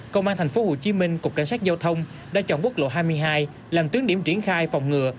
công an tp hcm cục cảnh sát giao thông đã chọn quốc lộ hai mươi hai làm tuyến điểm triển khai phòng ngừa